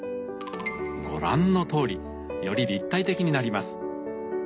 ご覧のとおりより立体的になります。